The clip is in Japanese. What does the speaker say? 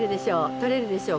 とれるでしょう？